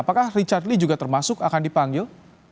apakah richard lee juga termasuk akan dipanggil